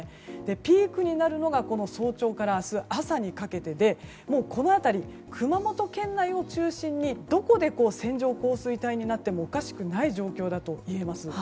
ピークになるのが早朝から明日朝にかけてでこの辺り、熊本県内を中心にどこで線状降水帯になってもおかしくない状況といえます。